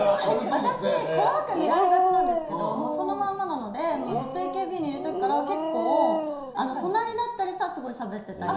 私、怖く見られがちなんですけどそのまんまなのでずっとＡＫＢにいる時から結構、隣だったりしたらすごいしゃべってたり。